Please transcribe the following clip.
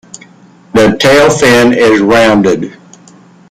The tail fin is rounded.